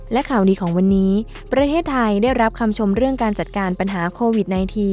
และข่าวดีของวันนี้ประเทศไทยได้รับคำชมเรื่องการจัดการปัญหาโควิด๑๙